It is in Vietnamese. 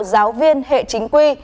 giáo viên hệ chính quy